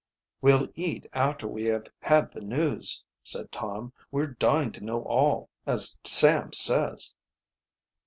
"Well eat after we have had the news," said Tom. "We're dying to know all, as Sam says."